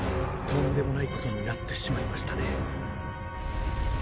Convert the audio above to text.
とんでもないことになってしまいましたね。